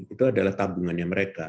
itu adalah tabungannya mereka